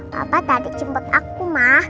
papa tadi cemput aku ma